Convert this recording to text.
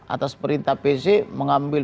atas perintah pc mengambil